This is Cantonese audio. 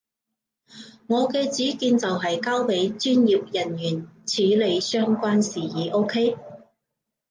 我嘅主見就係交畀專業人員處理相關事宜，OK？